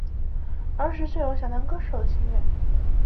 儿时就有想当歌手的心愿。